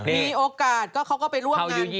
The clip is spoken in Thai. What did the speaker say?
มีโอกาสเขาก็ไปร่วมงานการ